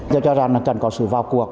tôi cho rằng là cần có sự vào cuộc